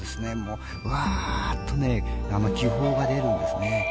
うわあっと気泡が出るんですね。